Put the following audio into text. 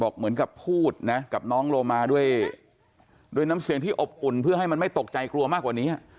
เหมือนกับพูดนะกับน้องโลมาด้วยด้วยน้ำเสียงที่อบอุ่นเพื่อให้มันไม่ตกใจกลัวมากกว่านี้